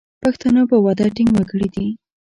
پښتانه په وعده ټینګ وګړي دي.